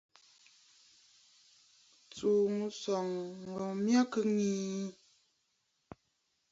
Tsùu mɨsɔŋ oo my kɨ ŋii.